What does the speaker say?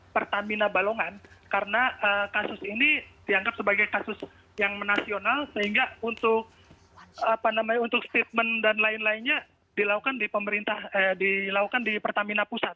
pertamina balongan karena kasus ini dianggap sebagai kasus yang menasional sehingga untuk statement dan lain lainnya dilakukan di pertamina pusat